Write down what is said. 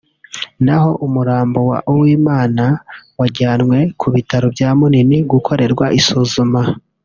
naho umurambo wa Uwimana wajyanwe ku bitaro bya Munini gukorerwa isuzuma”